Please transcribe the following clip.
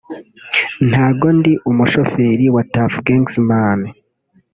ntago ndi umushoferi wa Tuff Gangs man